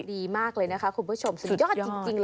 ดีมากเลยนะคะคุณผู้ชมสุดยอดจริงเลย